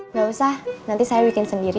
nggak usah nanti saya bikin sendiri